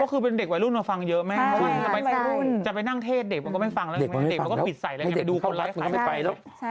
ก็คือเป็นเด็กวัยรุ่นมาฟังเยอะแม่เพราะว่าจะไปนั่งเทศเด็กก็ไม่ฟังแล้วเด็กก็ปิดใส่เลยดูคนละคร